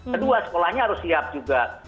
kedua sekolahnya harus siap juga